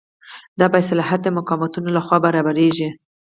دا د باصلاحیته مقاماتو لخوا برابریږي.